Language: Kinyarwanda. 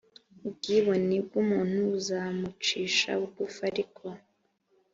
ubwibone bw umuntu buzamucisha bugufi ariko